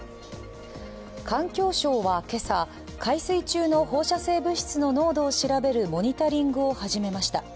環境省は今朝、海水中の放射性物質の濃度を調べるモニタリングを始めました。